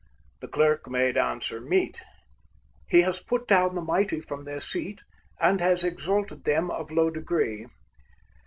The clerk made answer meet, "He has put down the mighty from their seat, And has exalted them of low degree."